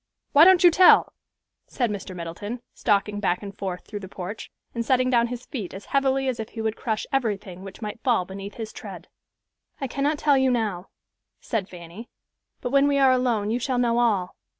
Why don't you tell?" said Mr. Middleton, stalking back and forth through the porch, and setting down his feet as heavily as if he would crush everything which might fall beneath his tread. "I cannot tell you now," said Fanny; "but when we are alone, you shall know all."